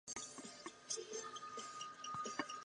卒于乾隆四十二年。